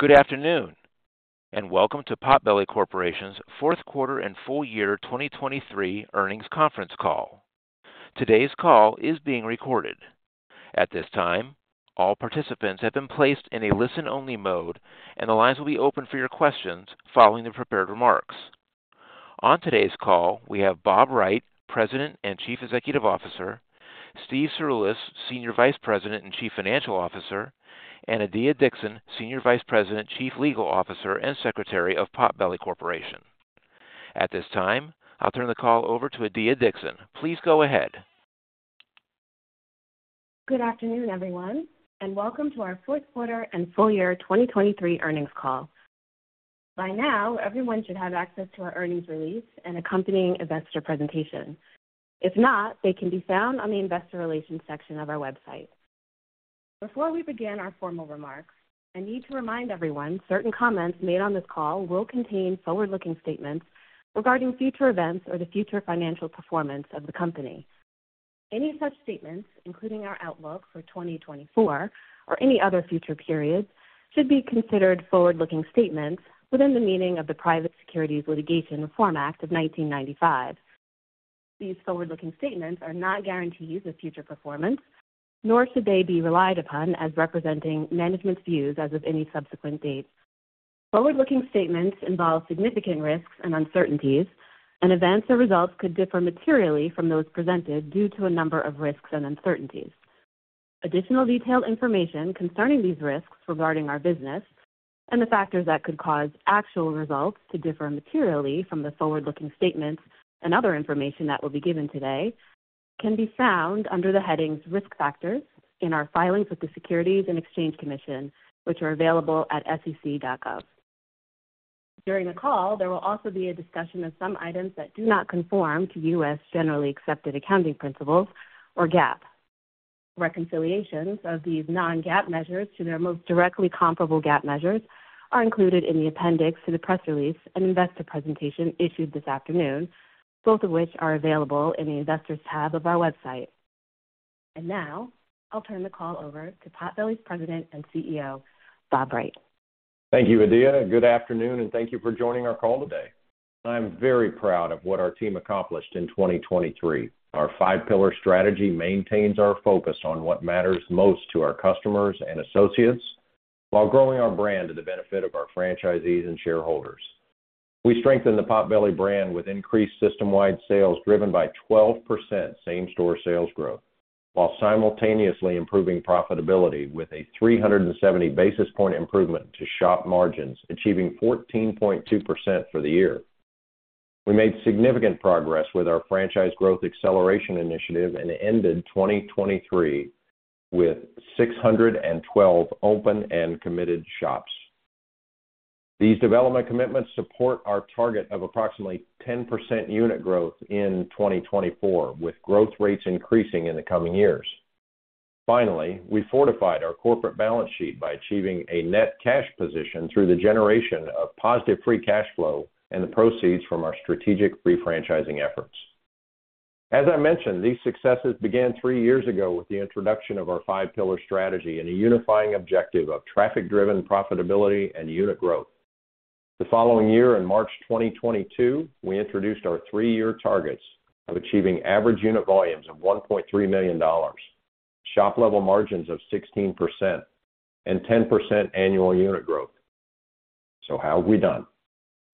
Good afternoon and welcome to Potbelly Corporation's Fourth Quarter and Full Year 2023 Earnings Conference Call. Today's call is being recorded. At this time, all participants have been placed in a listen-only mode and the lines will be open for your questions following the prepared remarks. On today's call we have Bob Wright, President and Chief Executive Officer, Steve Cirulis, Senior Vice President and Chief Financial Officer, and Adiya Dixon, Senior Vice President, Chief Legal Officer and Secretary of Potbelly Corporation. At this time, I'll turn the call over to Adiya Dixon. Please go ahead. Good afternoon, everyone, and welcome to our fourth quarter and full year 2023 earnings call. By now, everyone should have access to our earnings release and accompanying investor presentation. If not, they can be found on the investor relations section of our website. Before we begin our formal remarks, I need to remind everyone certain comments made on this call will contain forward-looking statements regarding future events or the future financial performance of the company. Any such statements, including our outlook for 2024 or any other future periods, should be considered forward-looking statements within the meaning of the Private Securities Litigation Reform Act of 1995. These forward-looking statements are not guarantees of future performance, nor should they be relied upon as representing management's views as of any subsequent date. Forward-looking statements involve significant risks and uncertainties, and events or results could differ materially from those presented due to a number of risks and uncertainties. Additional detailed information concerning these risks regarding our business and the factors that could cause actual results to differ materially from the forward-looking statements and other information that will be given today can be found under the headings Risk Factors in our filings with the Securities and Exchange Commission, which are available at sec.gov. During the call, there will also be a discussion of some items that do not conform to U.S. generally accepted accounting principles or GAAP. Reconciliations of these non-GAAP measures to their most directly comparable GAAP measures are included in the appendix to the press release and investor presentation issued this afternoon, both of which are available in the Investors tab of our website. Now, I'll turn the call over to Potbelly's President and CEO, Bob Wright. Thank you, Adiya. Good afternoon and thank you for joining our call today. I'm very proud of what our team accomplished in 2023. Our five-pillar strategy maintains our focus on what matters most to our customers and associates while growing our brand to the benefit of our franchisees and shareholders. We strengthen the Potbelly brand with increased system-wide sales driven by 12% same-store sales growth, while simultaneously improving profitability with a 370 basis point improvement to shop margins, achieving 14.2% for the year. We made significant progress with our Franchise Growth Acceleration Initiative and ended 2023 with 612 open and committed shops. These development commitments support our target of approximately 10% unit growth in 2024, with growth rates increasing in the coming years. Finally, we fortified our corporate balance sheet by achieving a net cash position through the generation of positive free cash flow and the proceeds from our strategic refranchising efforts. As I mentioned, these successes began three years ago with the introduction of our five-pillar strategy and a unifying objective of traffic-driven profitability and unit growth. The following year, in March 2022, we introduced our three-year targets of achieving average unit volumes of $1.3 million, shop-level margins of 16%, and 10% annual unit growth. So how have we done?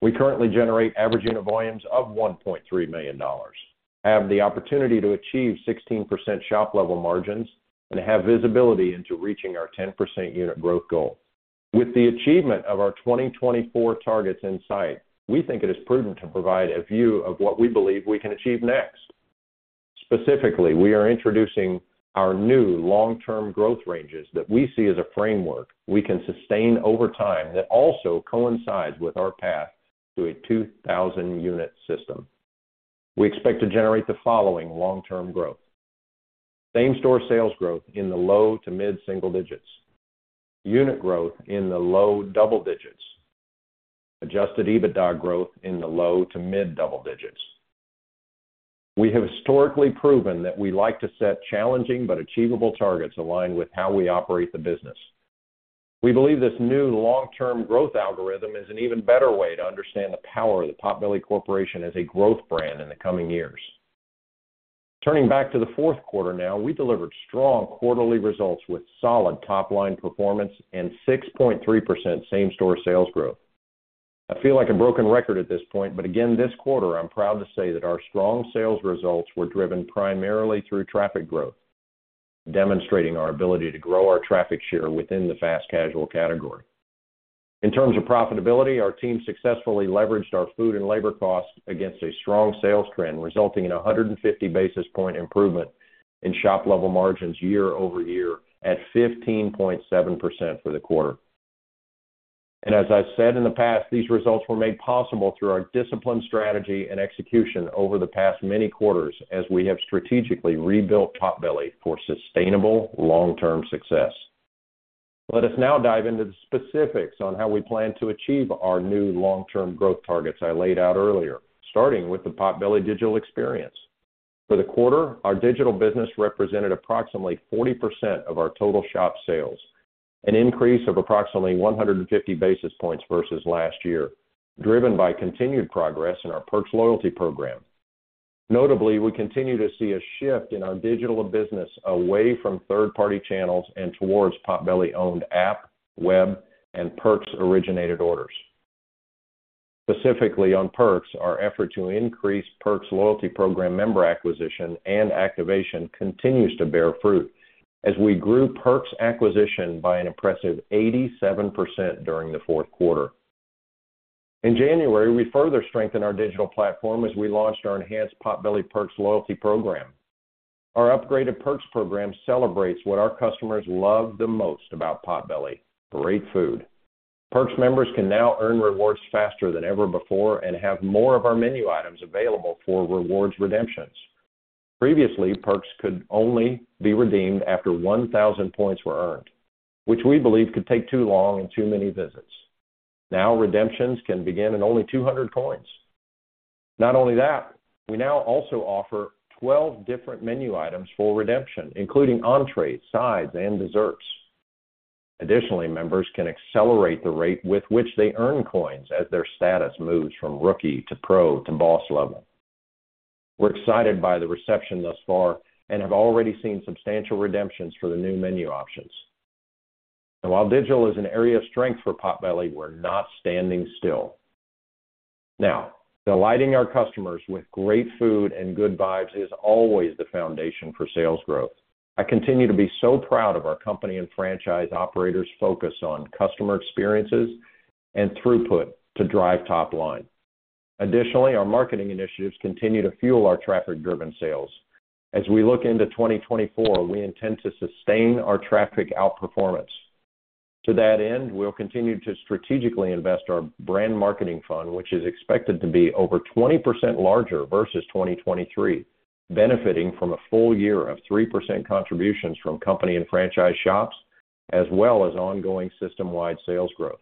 We currently generate average unit volumes of $1.3 million, have the opportunity to achieve 16% shop-level margins, and have visibility into reaching our 10% unit growth goal. With the achievement of our 2024 targets in sight, we think it is prudent to provide a view of what we believe we can achieve next. Specifically, we are introducing our new long-term growth ranges that we see as a framework we can sustain over time that also coincides with our path to a 2,000-unit system. We expect to generate the following long-term growth: same-store sales growth in the low to mid single digits; unit growth in the low double digits; Adjusted EBITDA growth in the low to mid double digits. We have historically proven that we like to set challenging but achievable targets aligned with how we operate the business. We believe this new long-term growth algorithm is an even better way to understand the power of the Potbelly Corporation as a growth brand in the coming years. Turning back to the fourth quarter now, we delivered strong quarterly results with solid top-line performance and 6.3% same-store sales growth. I feel like a broken record at this point, but again, this quarter I'm proud to say that our strong sales results were driven primarily through traffic growth, demonstrating our ability to grow our traffic share within the fast casual category. In terms of profitability, our team successfully leveraged our food and labor costs against a strong sales trend, resulting in a 150 basis point improvement in shop-level margins year-over-year at 15.7% for the quarter. As I've said in the past, these results were made possible through our disciplined strategy and execution over the past many quarters as we have strategically rebuilt Potbelly for sustainable long-term success. Let us now dive into the specifics on how we plan to achieve our new long-term growth targets I laid out earlier, starting with the Potbelly digital experience. For the quarter, our digital business represented approximately 40% of our total shop sales, an increase of approximately 150 basis points versus last year, driven by continued progress in our Perks Loyalty Program. Notably, we continue to see a shift in our digital business away from third-party channels and towards Potbelly-owned app, web, and Perks-originated orders. Specifically on Perks, our effort to increase Perks Loyalty Program member acquisition and activation continues to bear fruit as we grew Perks acquisition by an impressive 87% during the fourth quarter. In January, we further strengthened our digital platform as we launched our enhanced Potbelly Perks Loyalty Program. Our upgraded Perks Program celebrates what our customers love the most about Potbelly: great food. Perks members can now earn rewards faster than ever before and have more of our menu items available for rewards redemptions. Previously, Perks could only be redeemed after 1,000 points were earned, which we believed could take too long and too many visits. Now, redemptions can begin in only 200 coins. Not only that, we now also offer 12 different menu items for redemption, including entrées, sides, and desserts. Additionally, members can accelerate the rate with which they earn coins as their status moves from Rookie to Pro to Boss level. We're excited by the reception thus far and have already seen substantial redemptions for the new menu options. And while digital is an area of strength for Potbelly, we're not standing still. Now, delighting our customers with great food and good vibes is always the foundation for sales growth. I continue to be so proud of our company and franchise operator's focus on customer experiences and throughput to drive top line. Additionally, our marketing initiatives continue to fuel our traffic-driven sales. As we look into 2024, we intend to sustain our traffic outperformance. To that end, we'll continue to strategically invest our brand marketing fund, which is expected to be over 20% larger versus 2023, benefiting from a full year of 3% contributions from company and franchise shops as well as ongoing system-wide sales growth.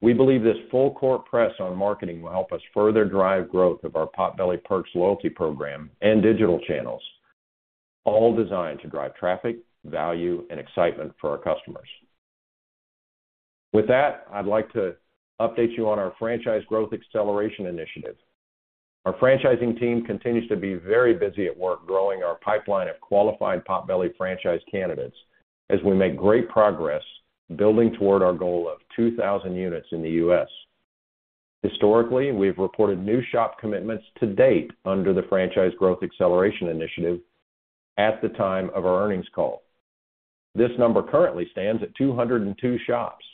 We believe this full-court press on marketing will help us further drive growth of our Potbelly Perks Loyalty Program and digital channels, all designed to drive traffic, value, and excitement for our customers. With that, I'd like to update you on our Franchise Growth Acceleration Initiative. Our franchising team continues to be very busy at work growing our pipeline of qualified Potbelly franchise candidates as we make great progress building toward our goal of 2,000 units in the U.S. Historically, we've reported new shop commitments to date under the Franchise Growth Acceleration Initiative at the time of our earnings call. This number currently stands at 202 shops.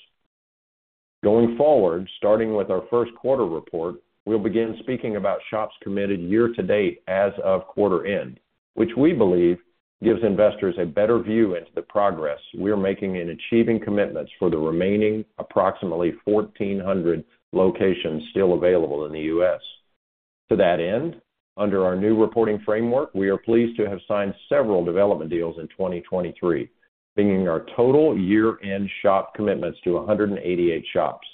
Going forward, starting with our first quarter report, we'll begin speaking about shops committed year to date as of quarter end, which we believe gives investors a better view into the progress we're making in achieving commitments for the remaining approximately 1,400 locations still available in the U.S. To that end, under our new reporting framework, we are pleased to have signed several development deals in 2023, bringing our total year-end shop commitments to 188 shops.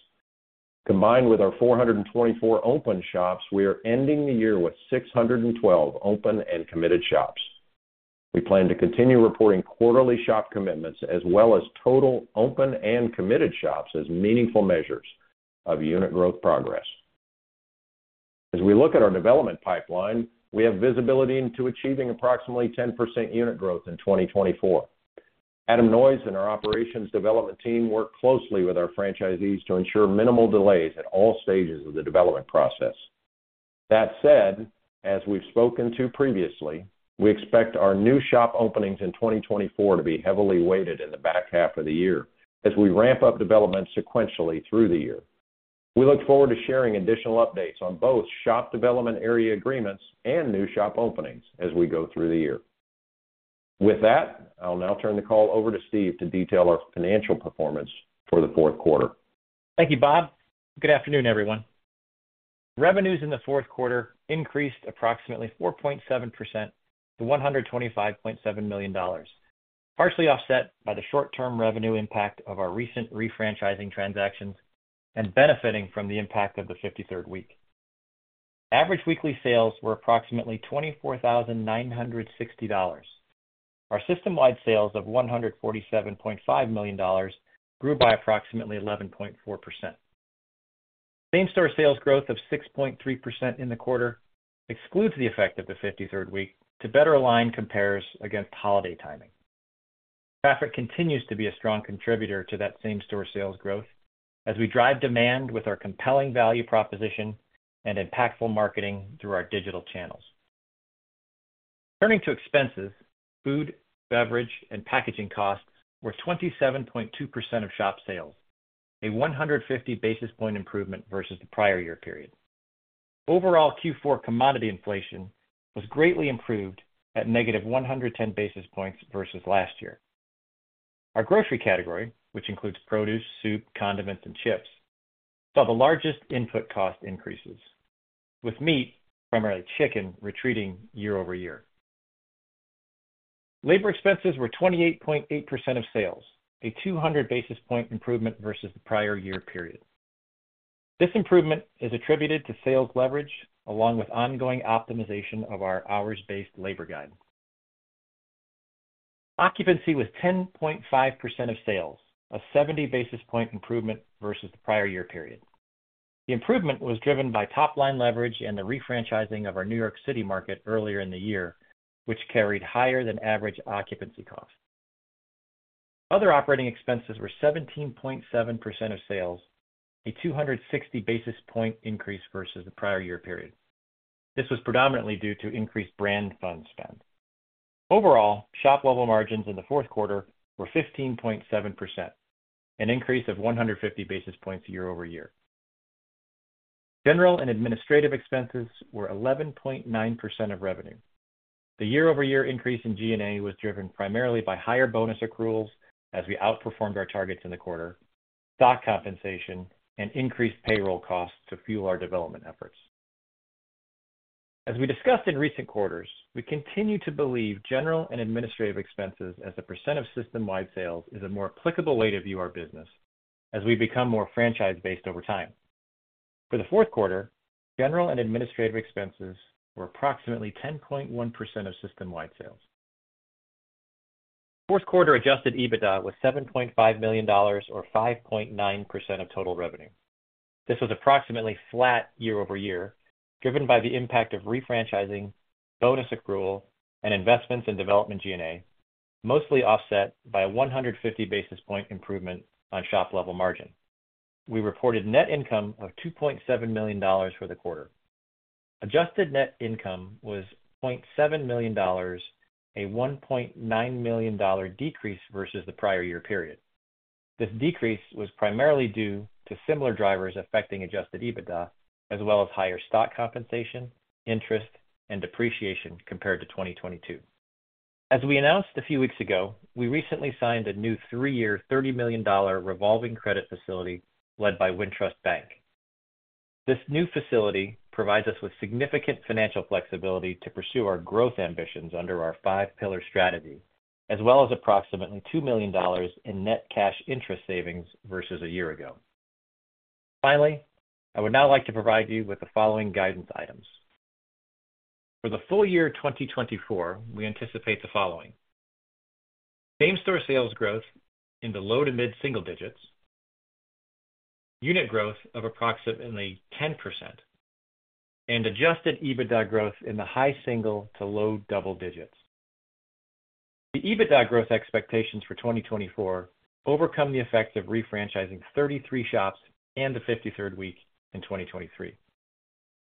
Combined with our 424 open shops, we are ending the year with 612 open and committed shops. We plan to continue reporting quarterly shop commitments as well as total open and committed shops as meaningful measures of unit growth progress. As we look at our development pipeline, we have visibility into achieving approximately 10% unit growth in 2024. Adam Noyes and our operations development team work closely with our franchisees to ensure minimal delays at all stages of the development process. That said, as we've spoken to previously, we expect our new shop openings in 2024 to be heavily weighted in the back half of the year as we ramp up development sequentially through the year. We look forward to sharing additional updates on both shop development area agreements and new shop openings as we go through the year. With that, I'll now turn the call over to Steve to detail our financial performance for the fourth quarter. Thank you, Bob. Good afternoon, everyone. Revenues in the fourth quarter increased approximately 4.7% to $125.7 million, partially offset by the short-term revenue impact of our recent refranchising transactions and benefiting from the impact of the 53rd week. Average weekly sales were approximately $24,960. Our system-wide sales of $147.5 million grew by approximately 11.4%. Same-store sales growth of 6.3% in the quarter excludes the effect of the 53rd week to better align compares against holiday timing. Traffic continues to be a strong contributor to that same-store sales growth as we drive demand with our compelling value proposition and impactful marketing through our digital channels. Turning to expenses, food, beverage, and packaging costs were 27.2% of shop sales, a 150 basis point improvement versus the prior year period. Overall Q4 commodity inflation was greatly improved at -110 basis points versus last year. Our grocery category, which includes produce, soup, condiments, and chips, saw the largest input cost increases, with meat, primarily chicken, retreating year-over-year. Labor expenses were 28.8% of sales, a 200 basis point improvement versus the prior year period. This improvement is attributed to sales leverage along with ongoing optimization of our hours-based labor guide. Occupancy was 10.5% of sales, a 70 basis point improvement versus the prior year period. The improvement was driven by top-line leverage and the refranchising of our New York City market earlier in the year, which carried higher-than-average occupancy costs. Other operating expenses were 17.7% of sales, a 260 basis point increase versus the prior year period. This was predominantly due to increased brand fund spend. Overall, shop-level margins in the fourth quarter were 15.7%, an increase of 150 basis points year-over-year. General and administrative expenses were 11.9% of revenue. The year-over-year increase in G&A was driven primarily by higher bonus accruals as we outperformed our targets in the quarter, stock compensation, and increased payroll costs to fuel our development efforts. As we discussed in recent quarters, we continue to believe general and administrative expenses as a percent of system-wide sales is a more applicable way to view our business as we become more franchise-based over time. For the fourth quarter, general and administrative expenses were approximately 10.1% of system-wide sales. Fourth quarter adjusted EBITDA was $7.5 million, or 5.9% of total revenue. This was approximately flat year-over-year, driven by the impact of refranchising, bonus accrual, and investments in development G&A, mostly offset by a 150 basis point improvement on shop-level margin. We reported net income of $2.7 million for the quarter. Adjusted Net Income was $0.7 million, a $1.9 million decrease versus the prior year period. This decrease was primarily due to similar drivers affecting Adjusted EBITDA as well as higher stock compensation, interest, and depreciation compared to 2022. As we announced a few weeks ago, we recently signed a new three-year, $30 million revolving credit facility led by Wintrust Bank. This new facility provides us with significant financial flexibility to pursue our growth ambitions under our five-pillar strategy, as well as approximately $2 million in net cash interest savings versus a year ago. Finally, I would now like to provide you with the following guidance items. For the full year 2024, we anticipate the following: same-store sales growth in the low- to mid-single digits; unit growth of approximately 10%; and Adjusted EBITDA growth in the high-single- to low-double digits. The EBITDA growth expectations for 2024 overcome the effects of refranchising 33 shops and the 53rd week in 2023.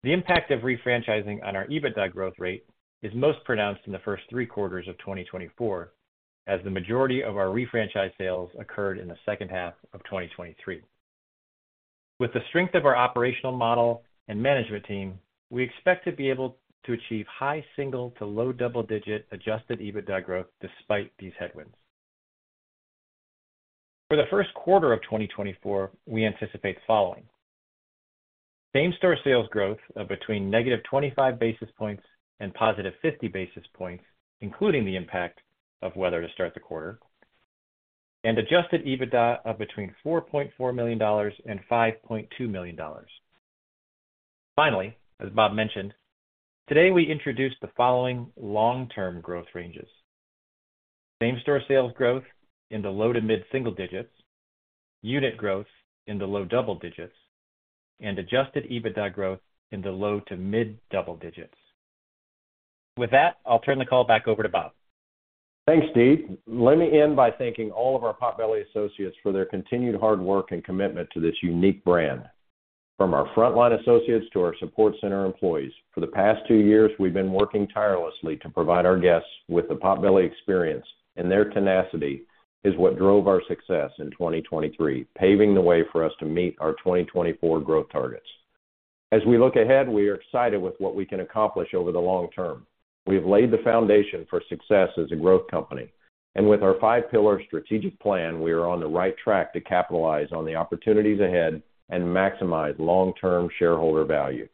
The impact of refranchising on our EBITDA growth rate is most pronounced in the first three quarters of 2024, as the majority of our refranchise sales occurred in the second half of 2023. With the strength of our operational model and management team, we expect to be able to achieve high-single- to low-double-digit Adjusted EBITDA growth despite these headwinds. For the first quarter of 2024, we anticipate the following: same-store sales growth of between -25 basis points and +50 basis points, including the impact of weather to start the quarter, and Adjusted EBITDA of between $4.4 million and $5.2 million. Finally, as Bob mentioned, today we introduce the following long-term growth ranges: same-store sales growth in the low- to mid-single-digits, unit growth in the low-double-digits, and Adjusted EBITDA growth in the low- to mid-double-digits. With that, I'll turn the call back over to Bob. Thanks, Steve. Let me end by thanking all of our Potbelly associates for their continued hard work and commitment to this unique brand. From our front-line associates to our support center employees, for the past two years, we've been working tirelessly to provide our guests with the Potbelly experience, and their tenacity is what drove our success in 2023, paving the way for us to meet our 2024 growth targets. As we look ahead, we are excited with what we can accomplish over the long term. We have laid the foundation for success as a growth company, and with our five-pillar strategic plan, we are on the right track to capitalize on the opportunities ahead and maximize long-term shareholder value.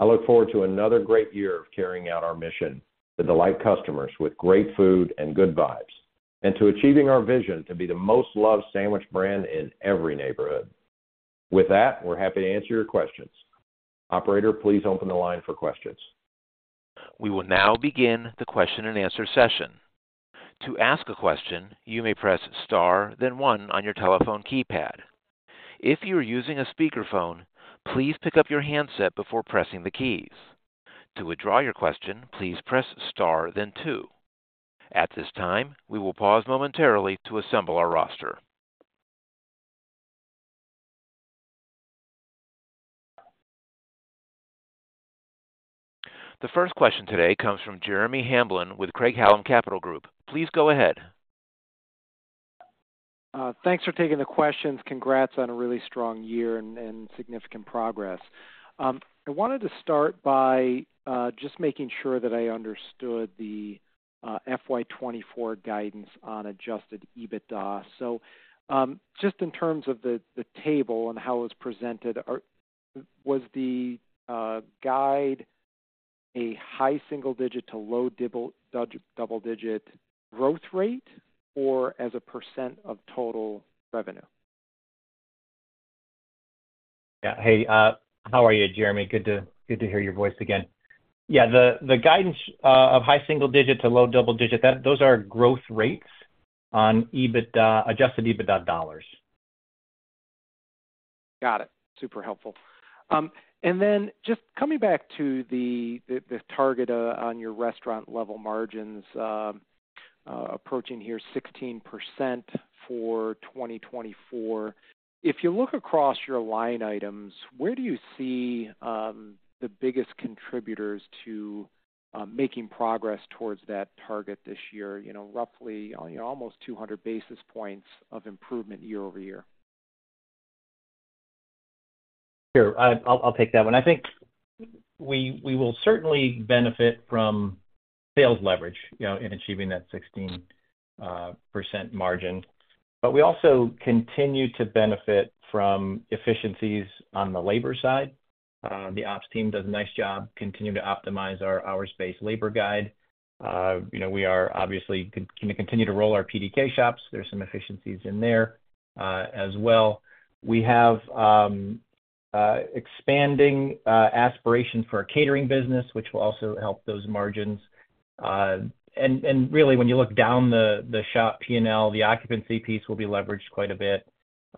I look forward to another great year of carrying out our mission to delight customers with great food and good vibes, and to achieving our vision to be the most-loved sandwich brand in every neighborhood. With that, we're happy to answer your questions. Operator, please open the line for questions. We will now begin the question-and-answer session. To ask a question, you may press star then one on your telephone keypad. If you are using a speakerphone, please pick up your handset before pressing the keys. To withdraw your question, please press star then two. At this time, we will pause momentarily to assemble our roster. The first question today comes from Jeremy Hamblin with Craig-Hallum Capital Group. Please go ahead. Thanks for taking the questions. Congrats on a really strong year and significant progress. I wanted to start by just making sure that I understood the FY 2024 guidance on Adjusted EBITDA. So just in terms of the table and how it was presented, was the guide a high single digit to low double digit growth rate or as a percent of total revenue? Yeah. Hey, how are you, Jeremy? Good to hear your voice again. Yeah, the guidance of high single digit to low double digit, those are growth rates on Adjusted EBITDA dollars. Got it. Super helpful. And then just coming back to the target on your restaurant-level margins, approaching here 16% for 2024, if you look across your line items, where do you see the biggest contributors to making progress towards that target this year, roughly almost 200 basis points of improvement year-over-year? Sure. I'll take that one. I think we will certainly benefit from sales leverage in achieving that 16% margin, but we also continue to benefit from efficiencies on the labor side. The ops team does a nice job continuing to optimize our hours-based labor guide. We are obviously going to continue to roll our PDK shops. There's some efficiencies in there as well. We have expanding aspirations for a catering business, which will also help those margins. And really, when you look down the shop P&L, the occupancy piece will be leveraged quite a bit.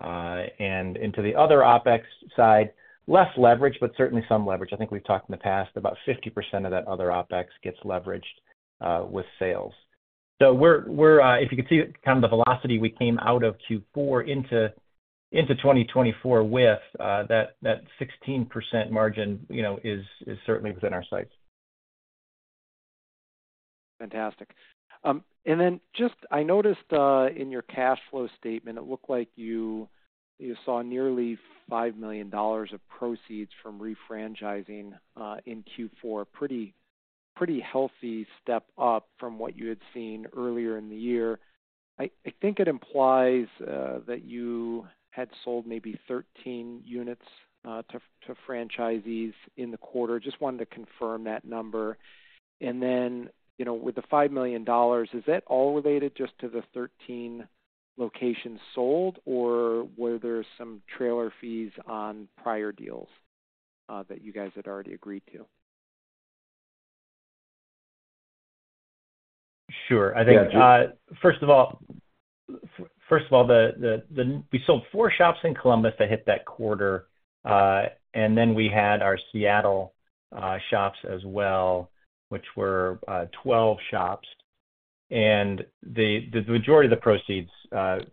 And into the other OpEx side, less leverage, but certainly some leverage. I think we've talked in the past about 50% of that other OpEx gets leveraged with sales. So if you could see kind of the velocity we came out of Q4 into 2024 with, that 16% margin is certainly within our sights. Fantastic. And then just I noticed in your cash flow statement, it looked like you saw nearly $5 million of proceeds from refranchising in Q4, a pretty healthy step up from what you had seen earlier in the year. I think it implies that you had sold maybe 13 units to franchisees in the quarter. Just wanted to confirm that number. And then with the $5 million, is that all related just to the 13 locations sold, or were there some trailer fees on prior deals that you guys had already agreed to? Sure. I think, first of all, we sold four shops in Columbus that hit that quarter, and then we had our Seattle shops as well, which were 12 shops. And the majority of the proceeds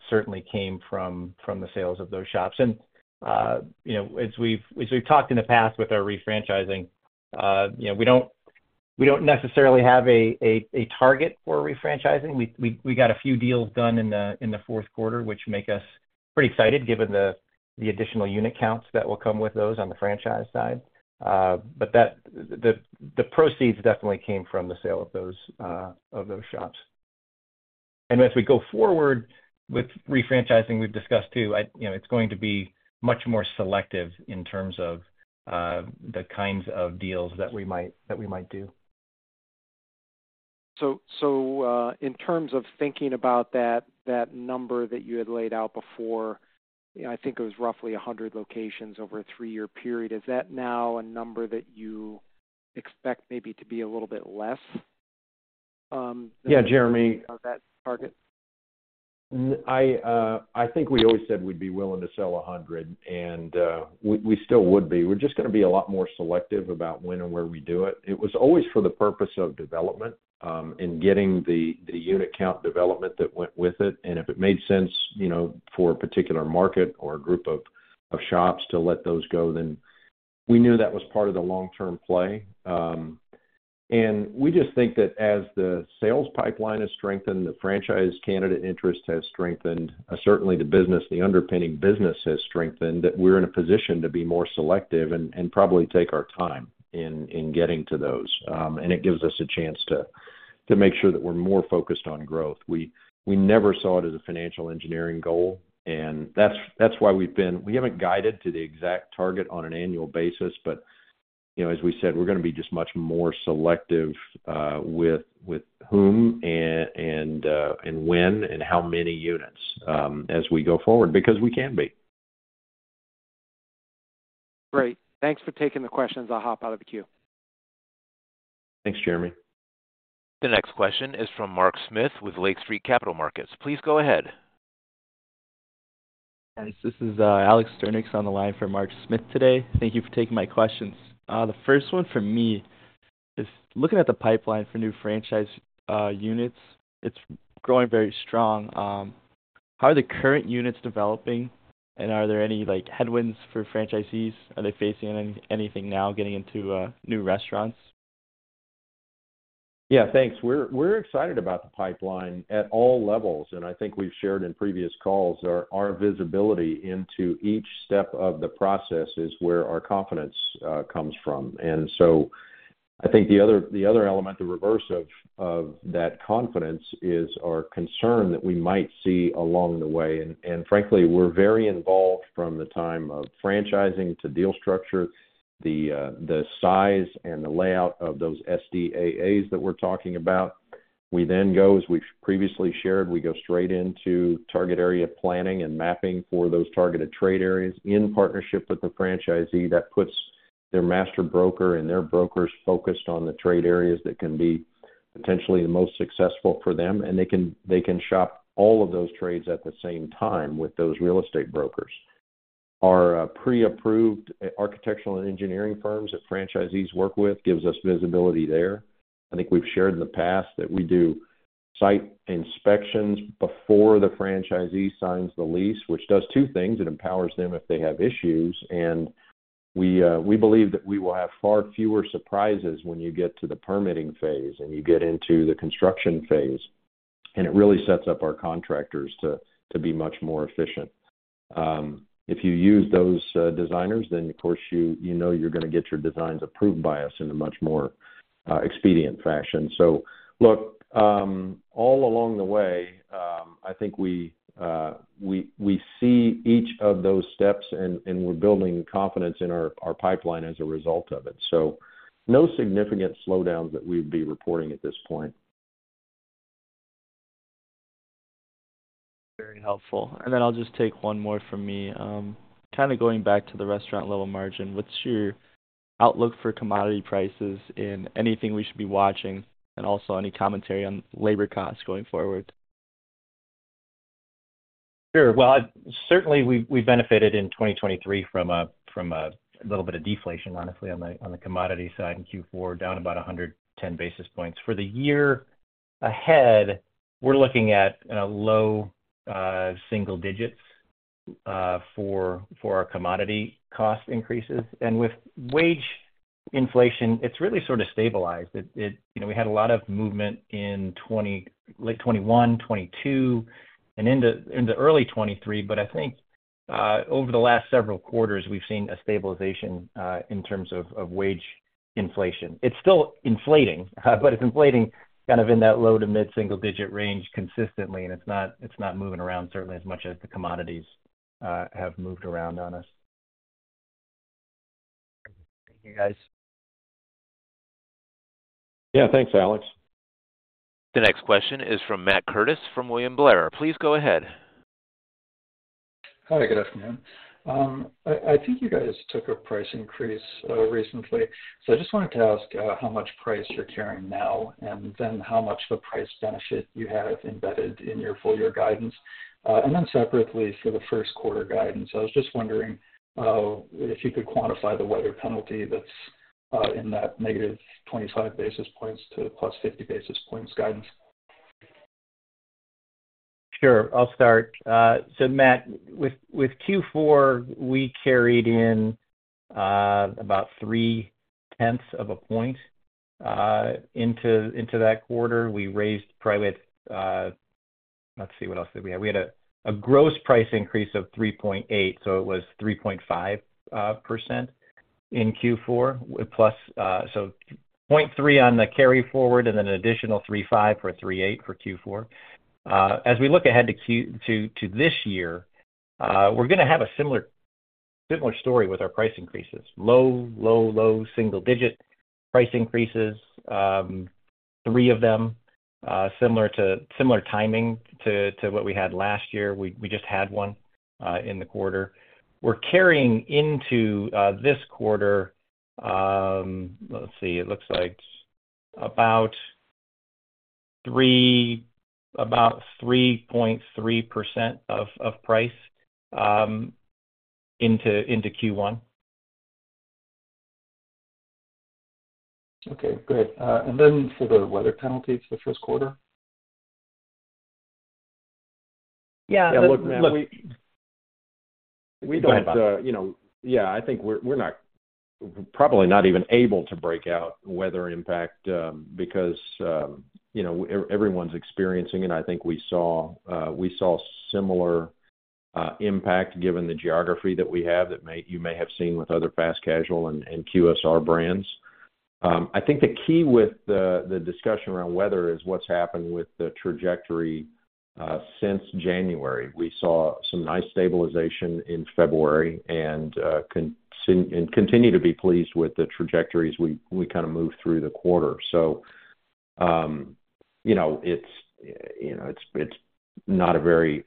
certainly came from the sales of those shops. And as we've talked in the past with our refranchising, we don't necessarily have a target for refranchising. We got a few deals done in the fourth quarter, which make us pretty excited given the additional unit counts that will come with those on the franchise side. But the proceeds definitely came from the sale of those shops. And as we go forward with refranchising, we've discussed too, it's going to be much more selective in terms of the kinds of deals that we might do. So in terms of thinking about that number that you had laid out before, I think it was roughly 100 locations over a three-year period. Is that now a number that you expect maybe to be a little bit less than- Yeah, Jeremy. That target? I think we always said we'd be willing to sell 100, and we still would be. We're just going to be a lot more selective about when and where we do it. It was always for the purpose of development and getting the unit count development that went with it. And if it made sense for a particular market or a group of shops to let those go, then we knew that was part of the long-term play. And we just think that as the sales pipeline has strengthened, the franchise candidate interest has strengthened, certainly the underpinning business has strengthened, that we're in a position to be more selective and probably take our time in getting to those. And it gives us a chance to make sure that we're more focused on growth. We never saw it as a financial engineering goal, and that's why we haven't guided to the exact target on an annual basis, but as we said, we're going to be just much more selective with whom and when and how many units as we go forward because we can be. Great. Thanks for taking the questions. I'll hop out of the queue. Thanks, Jeremy. The next question is from Mark Smith with Lake Street Capital Markets. Please go ahead. Yes, this is Alex Sturnieks on the line for Mark Smith today. Thank you for taking my questions. The first one for me is looking at the pipeline for new franchise units. It's growing very strong. How are the current units developing, and are there any headwinds for franchisees? Are they facing anything now getting into new restaurants? Yeah, thanks. We're excited about the pipeline at all levels, and I think we've shared in previous calls, our visibility into each step of the process is where our confidence comes from. And so I think the other element, the reverse of that confidence, is our concern that we might see along the way. And frankly, we're very involved from the time of franchising to deal structure, the size and the layout of those SDAs that we're talking about. We then go, as we previously shared, we go straight into target area planning and mapping for those targeted trade areas in partnership with the franchisee that puts their master broker and their brokers focused on the trade areas that can be potentially the most successful for them, and they can shop all of those trades at the same time with those real estate brokers. Our pre-approved architectural and engineering firms that franchisees work with gives us visibility there. I think we've shared in the past that we do site inspections before the franchisee signs the lease, which does two things. It empowers them if they have issues. And we believe that we will have far fewer surprises when you get to the permitting phase and you get into the construction phase. And it really sets up our contractors to be much more efficient. If you use those designers, then, of course, you know you're going to get your designs approved by us in a much more expedient fashion. So look, all along the way, I think we see each of those steps, and we're building confidence in our pipeline as a result of it. So no significant slowdowns that we would be reporting at this point. Very helpful. And then I'll just take one more from me. Kind of going back to the restaurant-level margin, what's your outlook for commodity prices and anything we should be watching, and also any commentary on labor costs going forward? Sure. Well, certainly, we've benefited in 2023 from a little bit of deflation, honestly, on the commodity side in Q4, down about 110 basis points. For the year ahead, we're looking at low single digits for our commodity cost increases. With wage inflation, it's really sort of stabilized. We had a lot of movement in late 2021, 2022, and into early 2023, but I think over the last several quarters, we've seen a stabilization in terms of wage inflation. It's still inflating, but it's inflating kind of in that low to mid single digit range consistently, and it's not moving around, certainly, as much as the commodities have moved around on us. Thank you, guys. Yeah, thanks, Alex. The next question is from Matt Curtis from William Blair. Please go ahead. Hi. Good afternoon. I think you guys took a price increase recently, so I just wanted to ask how much price you're carrying now and then how much of a price benefit you have embedded in your full-year guidance. And then separately, for the first-quarter guidance, I was just wondering if you could quantify the weather penalty that's in that -25 basis points to +50 basis points guidance. Sure. I'll start. So Matt, with Q4, we carried in about 0.3 of a point into that quarter. We raised prices, let's see, what else did we have? We had a gross price increase of 3.8, so it was 3.5% in Q4, so 0.3 on the carry forward and then an additional 3.5 for 3.8 for Q4. As we look ahead to this year, we're going to have a similar story with our price increases: low, low, low single-digit price increases, 3 of them, similar timing to what we had last year. We just had one in the quarter. We're carrying into this quarter, let's see. It looks like about 3.3% of price into Q1. Okay. Good. And then for the weather penalties the first quarter? Yeah. Yeah. Look, Matt, we don't yeah, I think we're probably not even able to break out weather impact because everyone's experiencing it. I think we saw similar impact given the geography that we have that you may have seen with other fast casual and QSR brands. I think the key with the discussion around weather is what's happened with the trajectory since January. We saw some nice stabilization in February and continue to be pleased with the trajectories we kind of move through the quarter. So it's not a very,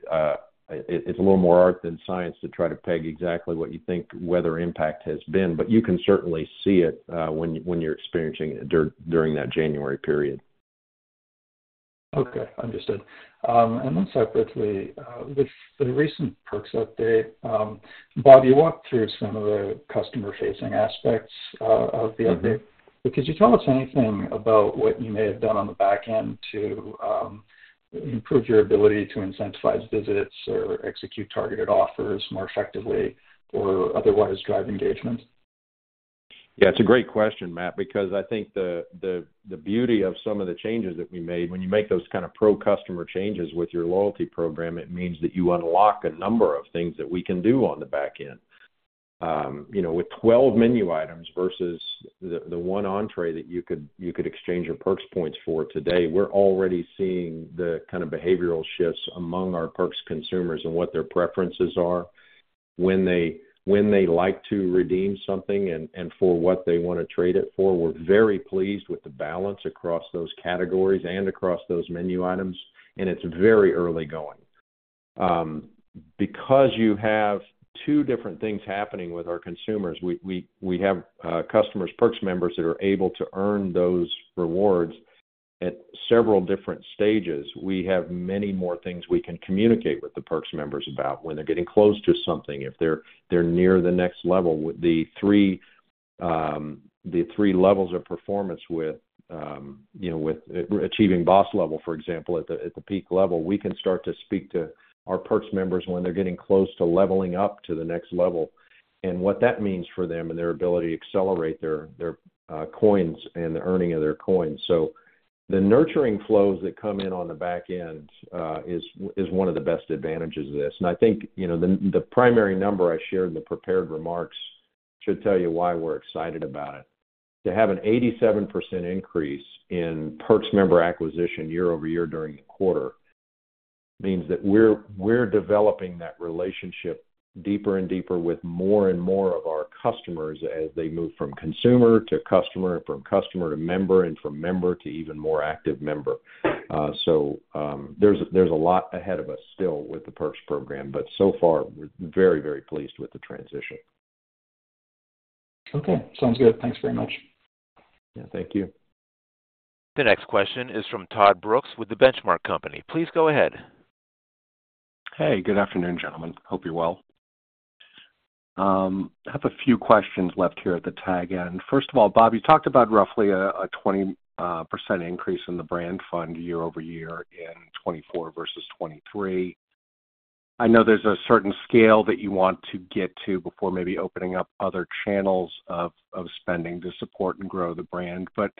it's a little more art than science to try to peg exactly what you think weather impact has been, but you can certainly see it when you're experiencing it during that January period. Okay. Understood. And then separately, with the recent perks update, Bob, you walked through some of the customer-facing aspects of the update. Could you tell us anything about what you may have done on the back end to improve your ability to incentivize visits or execute targeted offers more effectively or otherwise drive engagement? Yeah, it's a great question, Matt, because I think the beauty of some of the changes that we made when you make those kind of pro-customer changes with your loyalty program, it means that you unlock a number of things that we can do on the back end. With 12 menu items versus the one entrée that you could exchange your perks points for today, we're already seeing the kind of behavioral shifts among our perks consumers and what their preferences are when they like to redeem something and for what they want to trade it for. We're very pleased with the balance across those categories and across those menu items, and it's very early going. Because you have two different things happening with our consumers, we have customers, perks members, that are able to earn those rewards at several different stages. We have many more things we can communicate with the perks members about when they're getting close to something, if they're near the next level. The three levels of performance with achieving boss level, for example, at the peak level, we can start to speak to our perks members when they're getting close to leveling up to the next level and what that means for them and their ability to accelerate their coins and the earning of their coins. So the nurturing flows that come in on the back end is one of the best advantages of this. And I think the primary number I shared in the prepared remarks should tell you why we're excited about it. To have an 87% increase in Perks member acquisition year-over-year during the quarter means that we're developing that relationship deeper and deeper with more and more of our customers as they move from consumer to customer and from customer to member and from member to even more active member. So there's a lot ahead of us still with the Perks program, but so far, we're very, very pleased with the transition. Okay. Sounds good. Thanks very much. Yeah, thank you. The next question is from Todd Brooks with The Benchmark Company. Please go ahead. Hey. Good afternoon, gentlemen. Hope you're well. I have a few questions left here at the tag end. First of all, Bob, you talked about roughly a 20% increase in the brand fund year-over-year in 2024 versus 2023. I know there's a certain scale that you want to get to before maybe opening up other channels of spending to support and grow the brand. But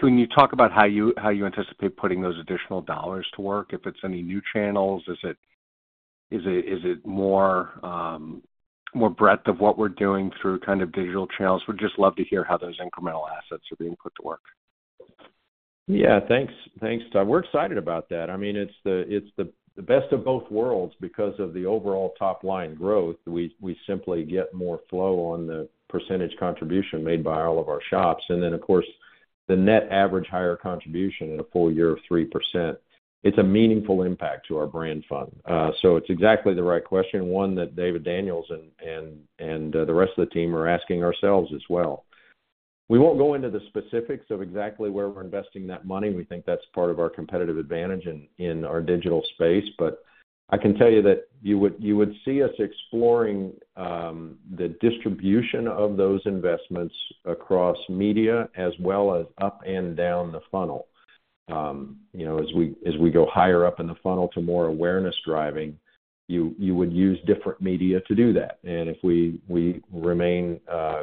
can you talk about how you anticipate putting those additional dollars to work? If it's any new channels, is it more breadth of what we're doing through kind of digital channels? We'd just love to hear how those incremental assets are being put to work. Yeah, thanks, Todd. We're excited about that. I mean, it's the best of both worlds because of the overall top-line growth. We simply get more flow on the percentage contribution made by all of our shops. And then, of course, the net average higher contribution in a full year of 3%, it's a meaningful impact to our brand fund. So it's exactly the right question, one that David Daniels and the rest of the team are asking ourselves as well. We won't go into the specifics of exactly where we're investing that money. We think that's part of our competitive advantage in our digital space. But I can tell you that you would see us exploring the distribution of those investments across media as well as up and down the funnel. As we go higher up in the funnel to more awareness-driving, you would use different media to do that. If we remain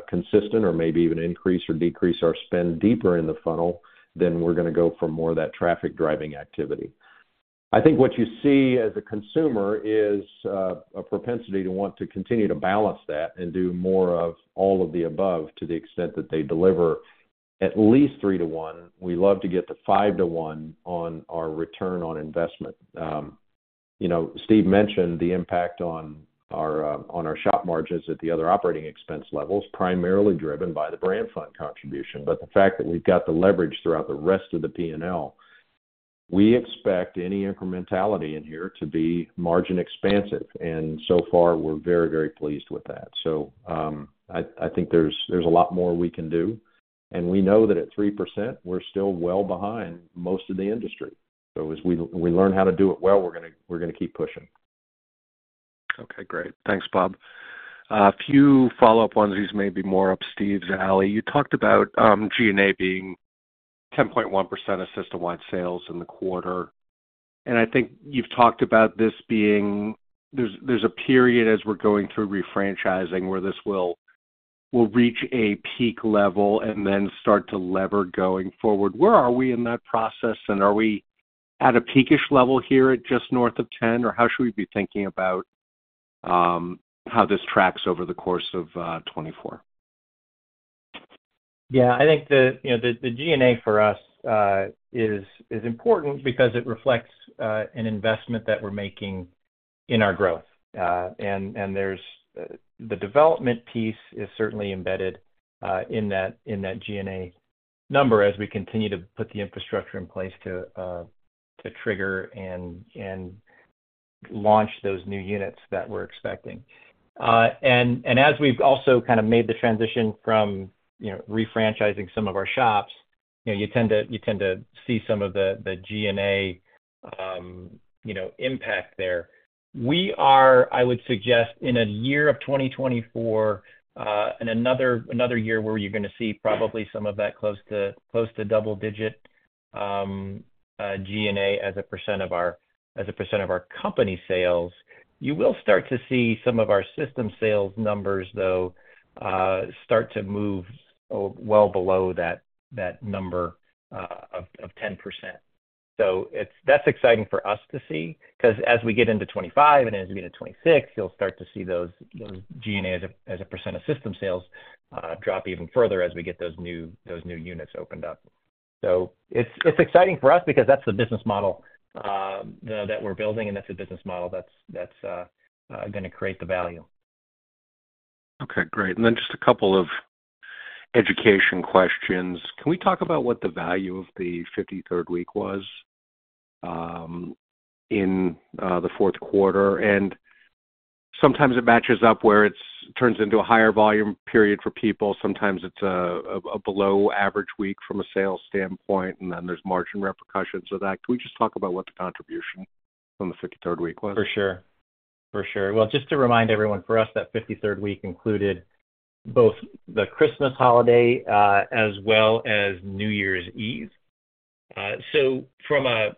consistent or maybe even increase or decrease our spend deeper in the funnel, then we're going to go for more of that traffic-driving activity. I think what you see as a consumer is a propensity to want to continue to balance that and do more of all of the above to the extent that they deliver at least 3:1. We love to get to 5:1 on our return on investment. Steve mentioned the impact on our shop margins at the other operating expense levels, primarily driven by the brand fund contribution. But the fact that we've got the leverage throughout the rest of the P&L, we expect any incrementality in here to be margin-expansive. And so far, we're very, very pleased with that. So I think there's a lot more we can do. We know that at 3%, we're still well behind most of the industry. As we learn how to do it well, we're going to keep pushing. Okay. Great. Thanks, Bob. A few follow-up ones; these may be more up Steve's alley. You talked about G&A being 10.1% of system-wide sales in the quarter. And I think you've talked about this being; there's a period as we're going through refranchising where this will reach a peak level and then start to lever going forward. Where are we in that process? And are we at a peakish level here at just north of 10, or how should we be thinking about how this tracks over the course of 2024? Yeah. I think the G&A for us is important because it reflects an investment that we're making in our growth. And the development piece is certainly embedded in that G&A number as we continue to put the infrastructure in place to trigger and launch those new units that we're expecting. And as we've also kind of made the transition from refranchising some of our shops, you tend to see some of the G&A impact there. We are, I would suggest, in a year of 2024 and another year where you're going to see probably some of that close to double-digit G&A as a percent of our as a percent of our company sales, you will start to see some of our system sales numbers, though, start to move well below that number of 10%. So that's exciting for us to see because as we get into 2025 and as we get into 2026, you'll start to see those G&A as a percent of system sales drop even further as we get those new units opened up. So it's exciting for us because that's the business model that we're building, and that's the business model that's going to create the value. Okay. Great. And then just a couple of questions. Can we talk about what the value of the 53rd week was in the fourth quarter? And sometimes it matches up where it turns into a higher volume period for people. Sometimes it's a below-average week from a sales standpoint, and then there's margin repercussions of that. Can we just talk about what the contribution from the 53rd week was? For sure. For sure. Well, just to remind everyone, for us, that 53rd week included both the Christmas holiday as well as New Year's Eve. So from a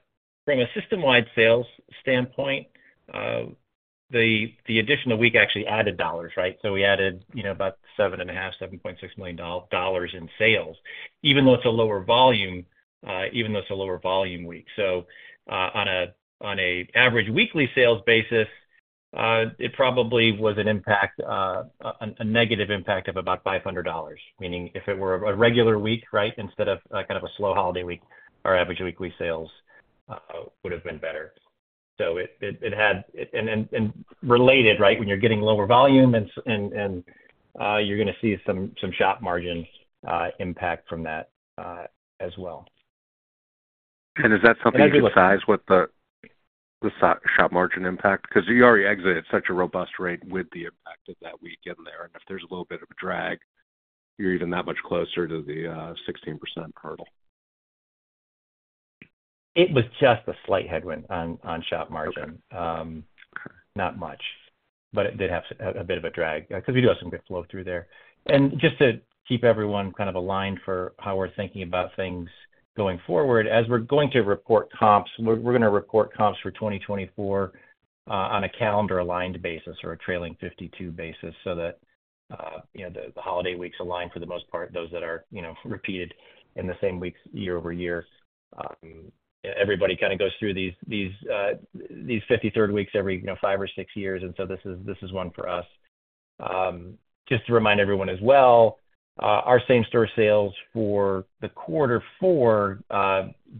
system-wide sales standpoint, the additional week actually added dollars, right? So we added about $7.5, $7.6 million in sales, even though it's a lower volume even though it's a lower volume week. So on an average weekly sales basis, it probably was an impact a negative impact of about $500, meaning if it were a regular week, right, instead of kind of a slow holiday week, our average weekly sales would have been better. So it had and related, right, when you're getting lower volume, and you're going to see some shop margin impact from that as well. Is that something you can size what the shop margin impact because you already exited at such a robust rate with the impact of that week in there? If there's a little bit of a drag, you're even that much closer to the 16% hurdle. It was just a slight headwind on shop margin, not much. But it did have a bit of a drag because we do have some good flow through there. And just to keep everyone kind of aligned for how we're thinking about things going forward, as we're going to report comps we're going to report comps for 2024 on a calendar-aligned basis or a trailing 52 basis so that the holiday weeks align for the most part, those that are repeated in the same weeks year-over-year. Everybody kind of goes through these 53rd weeks every five or six years. And so this is one for us. Just to remind everyone as well, our same-store sales for the quarter four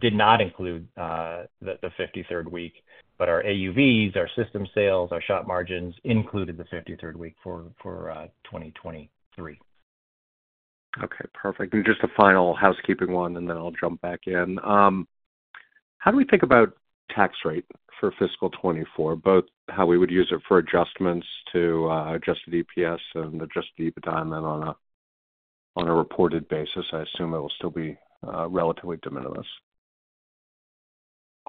did not include the 53rd week. But our AUVs, our system sales, our shop margins included the 53rd week for 2023. Okay. Perfect. And just a final housekeeping one, and then I'll jump back in. How do we think about tax rate for fiscal 2024, both how we would use it for adjustments to Adjusted EPS and Adjusted EBITDA on a reported basis? I assume it will still be relatively de minimis.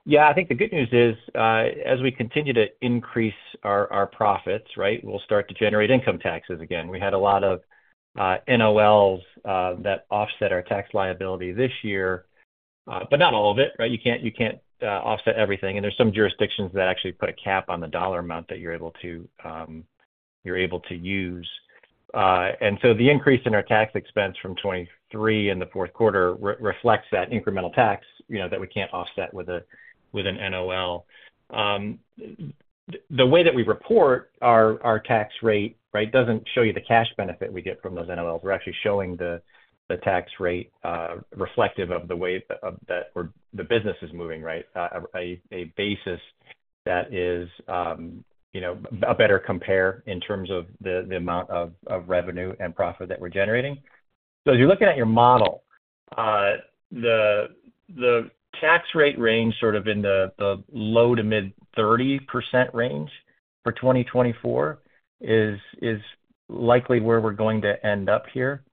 Yeah. I think the good news is as we continue to increase our profits, right, we'll start to generate income taxes again. We had a lot of NOLs that offset our tax liability this year, but not all of it, right? You can't offset everything. There's some jurisdictions that actually put a cap on the dollar amount that you're able to use. So the increase in our tax expense from 2023 in the fourth quarter reflects that incremental tax that we can't offset with an NOL. The way that we report our tax rate, right, doesn't show you the cash benefit we get from those NOLs. We're actually showing the tax rate reflective of the way that the business is moving, right, a basis that is a better compare in terms of the amount of revenue and profit that we're generating. As you're looking at your model, the tax rate range sort of in the low- to mid-30% range for 2024 is likely where we're going to end up here.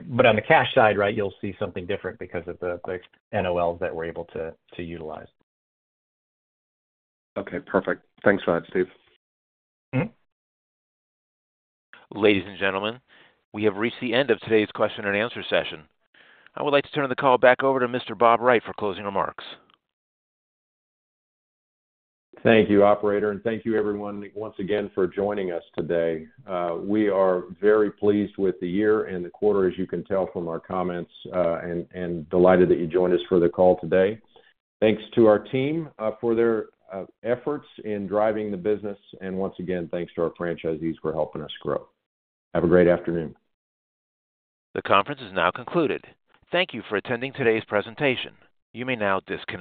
But on the cash side, right, you'll see something different because of the NOLs that we're able to utilize. Okay. Perfect. Thanks for that, Steve. Ladies and gentlemen, we have reached the end of today's question-and-answer session. I would like to turn the call back over to Mr. Bob Wright for closing remarks. Thank you, operator. Thank you, everyone, once again, for joining us today. We are very pleased with the year and the quarter, as you can tell from our comments, and delighted that you joined us for the call today. Thanks to our team for their efforts in driving the business. Once again, thanks to our franchisees for helping us grow. Have a great afternoon. The conference is now concluded. Thank you for attending today's presentation. You may now disconnect.